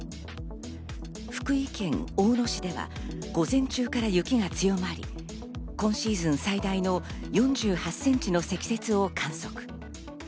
福井県大野市では、午前中から雪が強まり、今シーズン最大の４８ｃｍの積雪を観測。